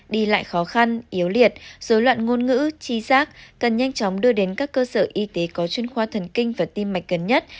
đi lại khó khăn yếu liệt dối loạn ngôn ngữ chi giác cần nhanh chóng đưa đến các cơ sở y tế có chuyên khoa thần kinh và tim mạch gần nhất